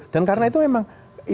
dan karena itu memang